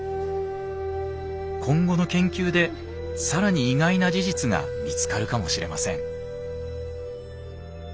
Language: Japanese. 今後の研究でさらに意外な事実が見つかるかもしれません。